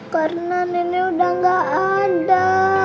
karena nenek udah gak ada